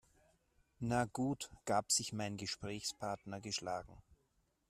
Na gut, gab sich mein Gesprächspartner geschlagen.